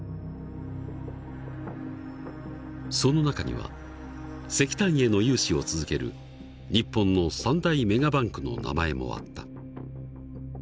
その中には石炭への融資を続ける日本の３大メガバンクの名前もあった。